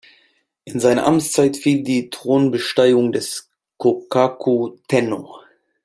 In seine Amtszeit fiel die Thronbesteigung des Kōkaku-Tennō.